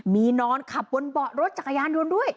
มีนอนขับบนเบาะรถจักรยานยนต์ด้วย